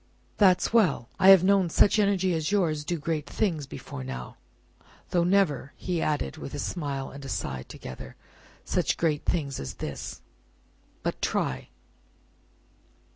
"That's well. I have known such energy as yours do great things before now though never," he added, with a smile and a sigh together, "such great things as this. But try!